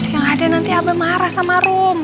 yang ada nanti abah marah sama room